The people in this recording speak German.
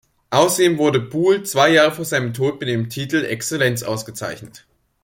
Außerdem wurde Buhl zwei Jahre vor seinem Tod mit dem Titel Exzellenz ausgezeichnet.